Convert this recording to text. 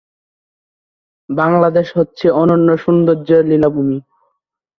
নীতিগতভাবে পারমাণবিক শক্তি থেকে উৎপাদিত বাষ্প শিল্প প্রক্রিয়া উত্তাপের জন্য ব্যবহার করা যেতে পারে।